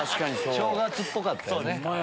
正月っぽかったよね。